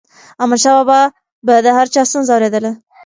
احمدشاه بابا به د هر چا ستونزه اوريدله.